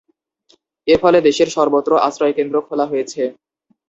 এরফলে দেশের সর্বত্র আশ্রয়কেন্দ্র খোলা হয়েছে।